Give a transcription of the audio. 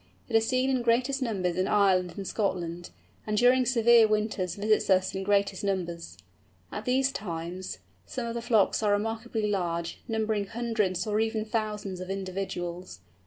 It is seen in greatest numbers in Ireland and Scotland, and during severe winters visits us in greatest numbers. At these times some of the flocks are remarkably large, numbering hundreds or even thousands of individuals.